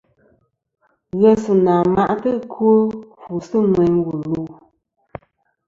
Ghesɨnà ma'tɨ ɨkwo fu sɨ ŋweyn wu lu.